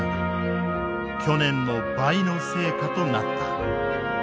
去年の倍の成果となった。